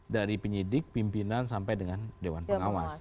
dari penyidik pimpinan sampai dengan dewan pengawas